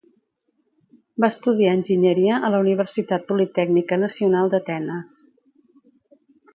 Va estudiar enginyeria a la Universitat Politècnica Nacional d'Atenes.